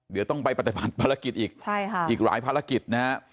เดี๋ยวต้องไปปฏิบัติภารกิจอีกอีกหลายภารกิจนะฮะ